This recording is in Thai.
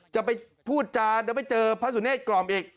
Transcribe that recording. จะไปพูดจานจะไปเจอพระสุเนธกล่อมอีก